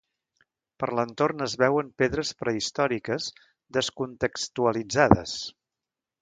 Per l'entorn es veuen pedres prehistòriques descontextualitzades.